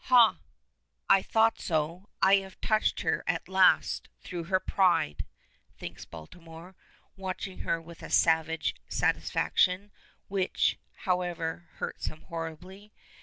"Hah! I thought so I have touched her at last, through her pride," thinks Baltimore, watching her with a savage satisfaction, which, however, hurts him horribly.